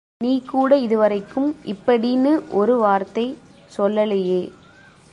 நீ கூட இதுவரைக்கும் இப்படீன்னு ஒரு வார்த்தை, சொல்லலையே.